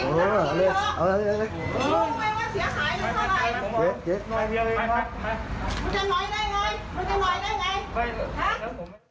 มึงจะหนอยได้ไง